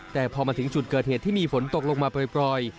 แต่พอมาถึงจุดเกิดเหตุที่มีฝนตกลงมาปล่อย